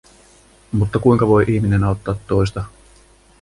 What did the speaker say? Mutta kuinka voi ihminen auttaa toista?